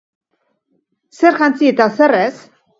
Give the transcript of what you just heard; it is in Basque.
Zer jantzi eta zer ez?